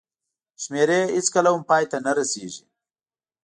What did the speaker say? شمېرې هېڅکله هم پای ته نه رسېږي.